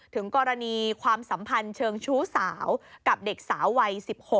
ถึงกรณีความสัมพันธ์เชิงชู้สาวกับเด็กสาววัย๑๖